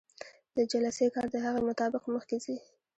د جلسې کار د هغې مطابق مخکې ځي.